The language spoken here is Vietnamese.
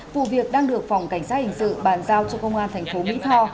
vụ việc đang được phòng cảnh sát hình sự bàn giao cho công an thành phố mỹ tho